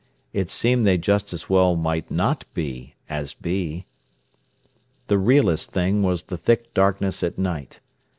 It seemed they just as well might not be as be. The realest thing was the thick darkness at night.